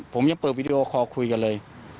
ผมยังเปิดวิดีโอคอลคุยกันเลย